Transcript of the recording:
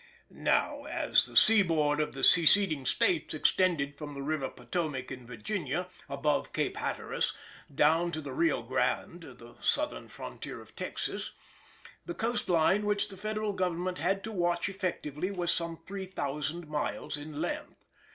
Now, as the seaboard of the Seceding States extended from the river Potomac in Virginia, above Cape Hatteras, down to the Rio Grande (the southern frontier of Texas), the coast line which the Federal Government had to watch effectively was some 3000 miles in length.